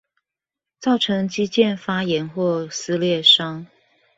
造成肌腱發炎或撕裂傷